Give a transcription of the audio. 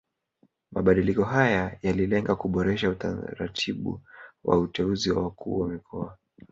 Mabadiliko haya yalilenga kuboresha utaratibu wa uteuzi wa wakuu wa mikoa